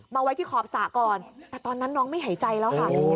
ไว้ที่ขอบสระก่อนแต่ตอนนั้นน้องไม่หายใจแล้วค่ะ